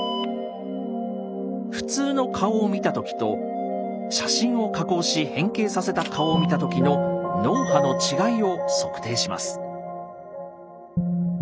普通の顔を見た時と写真を加工し変形させた顔を見た時の脳波の違いを測定します。